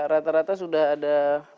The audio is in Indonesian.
rata rata sudah ada